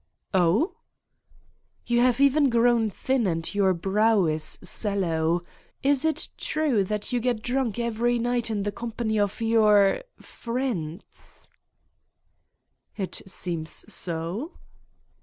" "Oh!" "You have even grown thin and your brow is sallow. Is it true that you get drunk every night in the company of your ... friends?" "It seems so."